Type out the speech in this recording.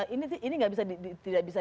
ini tidak bisa dikira kira